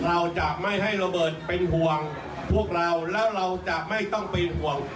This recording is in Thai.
เราจะไม่ให้โรเบิร์ตเป็นห่วงพวกเราแล้วเราจะไม่ต้องเป็นห่วง